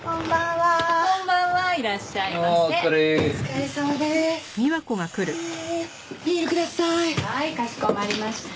はいかしこまりました。